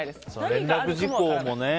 連絡事項もね。